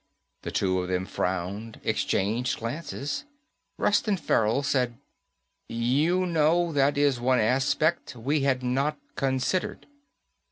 The two of them frowned, exchanged glances. Reston Farrell said, "You know, that is one aspect we had not considered."